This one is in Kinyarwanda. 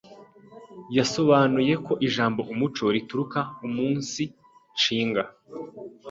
yasobanuye ko ijambo umuco rituruka umunsi nshinga